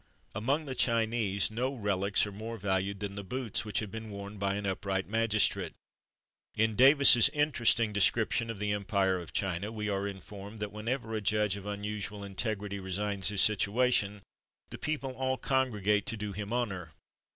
Among the Chinese no relics are more valued than the boots which have been worn by an upright magistrate. In Davis's interesting description of the empire of China, we are informed, that whenever a judge of unusual integrity resigns his situation, the people all congregate to do him honour.